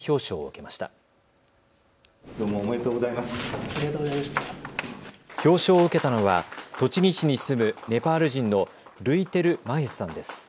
表彰を受けたのは栃木市に住むネパール人のルイテル・マヘスさんです。